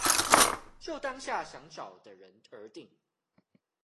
就當下想找的人而定